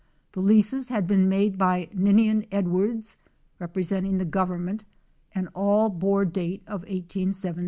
The leases had been made by Ninian Edwards, representing the govern ment, and all bore date of 1 817.